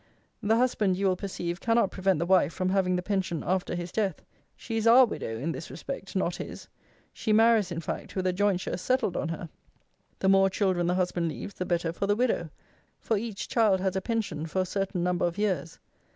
The husband, you will perceive, cannot prevent the wife from having the pension after his death. She is our widow, in this respect, not his. She marries, in fact, with a jointure settled on her. The more children the husband leaves the better for the widow; for each child has a pension for a certain number of years.